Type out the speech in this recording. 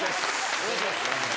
お願いします